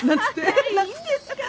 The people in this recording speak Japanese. えっいいんですか？